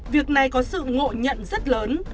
việc này có sự ngộ nhận rất lớn